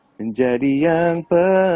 menjadi yang pertama